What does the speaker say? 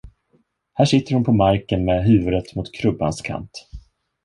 Här sitter hon på marken med huvudet mot krubbans kant.